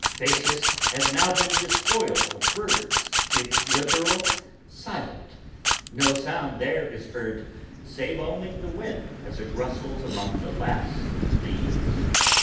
Phasis has now been despoiled Of birds, its littoral silent, no sound there is heard Save only the wind as it rustles among the last leaves.